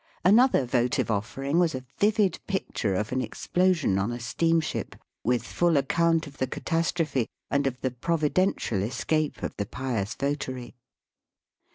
Another votive offering was a vivid picture of an explosion on a steamship, with full account of the catas trophe, and of the providential escape of the pious votary.